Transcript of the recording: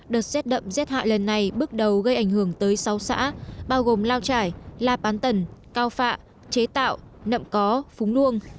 đợt rét đậm rét hại lần này bước đầu gây ảnh hưởng tới sáu xã bao gồm lao trải la bán tần cao phạ chế tạo nậm có phúng luông